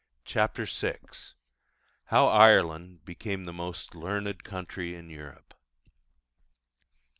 CHAPTER VI. HOW IRELAND BECAME THE MOST LEARNED COUNTRY IN EUROPE.